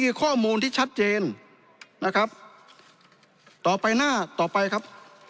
มีข้อมูลที่ชัดเจนนะครับต่อไปหน้าต่อไปครับ